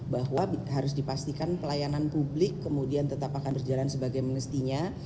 bahwa harus dipastikan pelayanan publik kemudian tetap akan berjalan sebagai mestinya